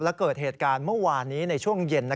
และเกิดเหตุการณ์เมื่อวานนี้ในช่วงเย็น